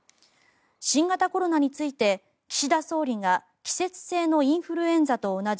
新型コロナについて、岸田総理が季節性のインフルエンザと同じ